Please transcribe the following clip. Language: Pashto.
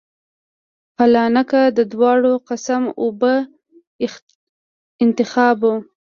حالانکه د دواړو قسمه اوبو انتخاب